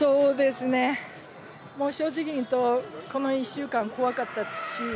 正直に言うとこの１週間怖かったですし。